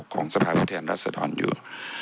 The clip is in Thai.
ของสภาพประเทศรัสดรอยู่